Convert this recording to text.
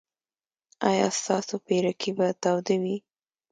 ایا ستاسو پیرکي به تاوده وي؟